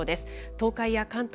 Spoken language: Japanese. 東海や関東